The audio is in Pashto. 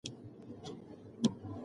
مانا د غږ له لارې څرګنديږي.